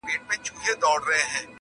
د سومنات او پاني پټ او میوندونو کیسې٫